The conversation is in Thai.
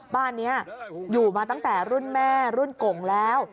บ้านนี้อยู่มาตั้งแต่รุ่นแม่รุ่นกงแล้ว